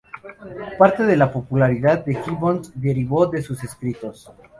Parte de la popularidad de Gibbons derivó de sus escritos.